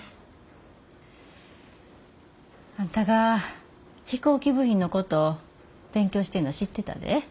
あんたが飛行機部品のこと勉強してんのは知ってたで。